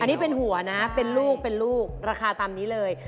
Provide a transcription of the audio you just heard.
อันนี้เป็นหัวนะเป็นลูกเป็นลูกราคาตามนี้เลย